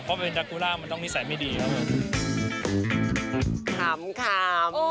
เพราะว่าเป็นแดกุล่ามันต้องมีนิสัยไม่ดีครับ